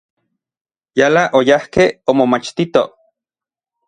Yala oyajkej omomachtitoj.